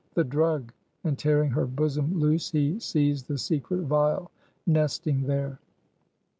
The drug!" and tearing her bosom loose, he seized the secret vial nesting there.